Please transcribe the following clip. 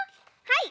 はい。